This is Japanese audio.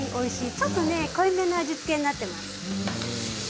ちょっと濃いめの味付けになっています。